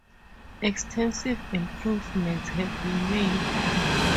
Extensive improvements have been made.